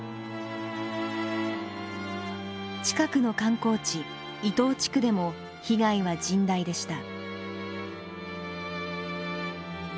近くの観光地伊東地区でも被害は甚大でした。